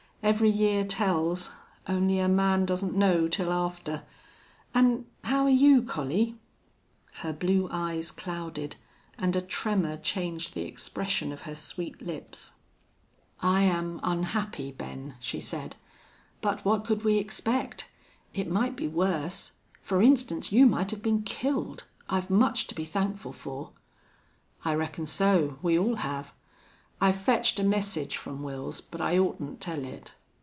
Every year tells. Only a man doesn't know till after.... An' how are you, Collie?" Her blue eyes clouded, and a tremor changed the expression of her sweet lips. "I am unhappy, Ben," she said. "But what could we expect? It might be worse. For instance, you might have been killed. I've much to be thankful for." "I reckon so. We all have.... I fetched a message from Wils, but I oughtn't tell it."